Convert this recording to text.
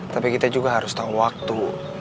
tapi kita juga harus tahu waktu